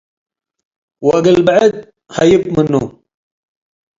ወእግል ብዕድ ሀይብ ምኑ ።